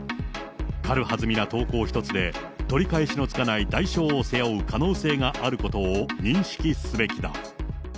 軽はずみな投稿一つで、取り返しのつかない代償を背負う可能性があることを認識すべきだ。